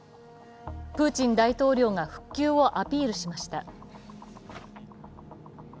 プーチン大統領が復旧をアピールしました。